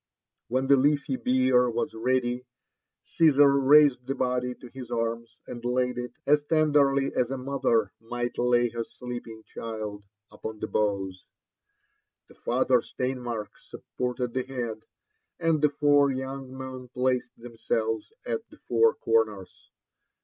When the leafy bier was ready, Cnsar raised the body Id his arms, and laid it, as (en, derly as a mother might lay her sleeping child, upon the boughs. The father Steinmark supported the head, and the four young men placed themselves at the four corners.